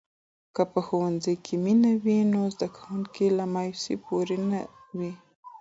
که په ښوونځي کې مینه وي، نو زده کوونکي له مایوسۍ پورې نه وي.